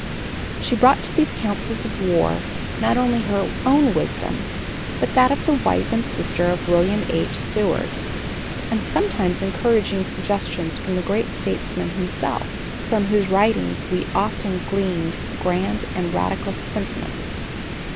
She brought to these councils of war not only her own wisdom, but that of the wife and sister of William H. Seward, and sometimes encouraging suggestions from the great statesman himself, from whose writings we often gleaned grand and radical sentiments.